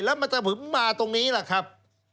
แล้วมันจะถึงมาตรงนี้แหละครับ